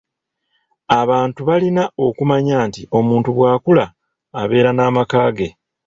"Abantu balina okumanya nti omuntu bw’akula, abeera n’amaka ge."